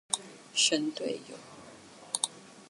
神隊友